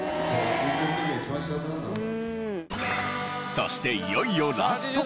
そしていよいよラスト。